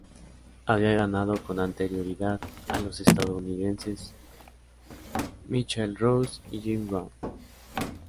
Había ganado con anterioridad a los estadounidenses Michael Russell y Jimmy Wang.